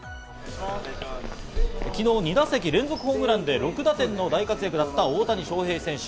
昨日２打席連続ホームランで６打点の大活躍だった大谷翔平選手。